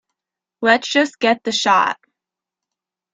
Lets just get the shot.